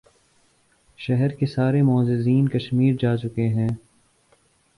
شہر کے سارے معززین کشمیر جا چکے ہیں